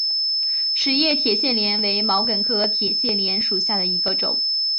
齿叶铁线莲为毛茛科铁线莲属下的一个种。